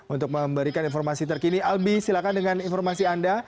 untuk memberikan informasi terkini albi silakan dengan informasi anda